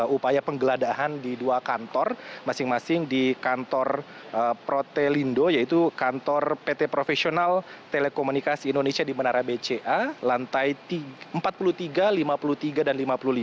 upaya penggeladahan di dua kantor masing masing di kantor protelindo yaitu kantor pt profesional telekomunikasi indonesia di menara bca lantai empat puluh tiga lima puluh tiga dan lima puluh lima